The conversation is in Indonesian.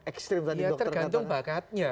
ekstrim tadi dokter katakan ya tergantung bakatnya